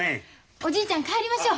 おじいちゃん帰りましょう。